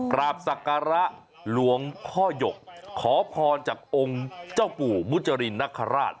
กราบศักระหลวงพ่อหยกขอพรจากองค์เจ้าปู่มุจรินนคราช